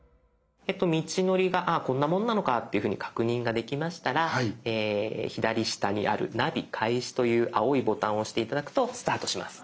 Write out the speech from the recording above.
道のりがこんなもんなのかっていうふうに確認ができましたら左下にある「ナビ開始」という青いボタンを押して頂くとスタートします。